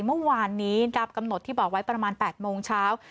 เมื่อวานนี้ตามกำหนดที่บอกไว้ประมาณ๘โมงเช้า